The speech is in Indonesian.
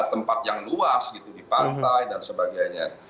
tempat yang luas gitu di pantai dan sebagainya